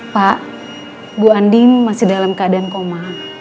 pak bu andin masih dalam keadaan koma